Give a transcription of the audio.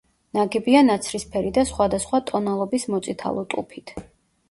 ნაგებია ნაცრისფერი და სხვადასხვა ტონალობის მოწითალო ტუფით.